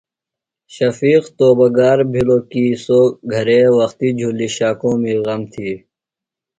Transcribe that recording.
شفیق توبہ گار بِھلوۡ کی سوۡ گھرے وختیۡ جُھلیۡ شاکومی غم تھی۔